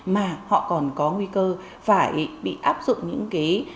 mà họ còn có nguy cơ phải bị áp dụng những cái